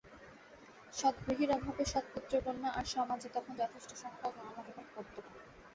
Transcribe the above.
সৎ গৃহীর অভাবে সৎ পুত্রকন্যা আর সমাজে তখন যথেষ্ট সংখ্যায় জন্মগ্রহণ করত না।